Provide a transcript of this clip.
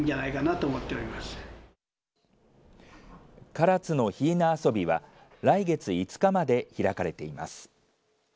唐津のひいな遊びは来月５日まで開かれています。